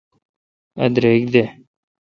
اؘ درک دے۔